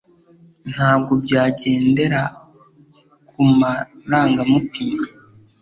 ntabwo bajyendera kumaranga mutima